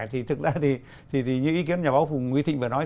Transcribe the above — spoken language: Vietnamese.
thì thực ra thì như ý kiến nhà báo phùng huy thịnh vừa nói